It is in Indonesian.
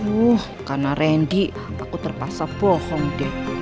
aduh karena rendy aku terpaksa bohong deh